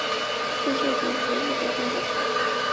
现就职于日本电视台。